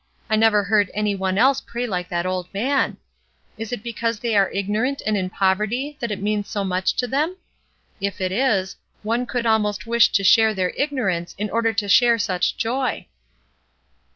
I never heard any one else pray Hke that old man. Is it because they are ignorant and in poverty that it means so much to them? If it is, one could almost wish to share their ignorance in order to share such joy."